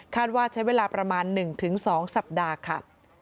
ว่าใช้เวลาประมาณ๑๒สัปดาห์ค่ะ